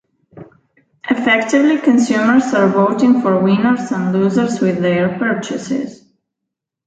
Effectively, consumers are voting for "winners" and "losers" with their purchases.